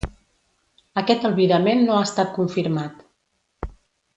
Aquest albirament no ha estat confirmat.